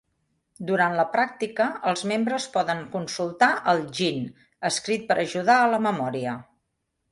Durant la pràctica, els membres poden consultar el "gin" escrit per ajudar a la memòria.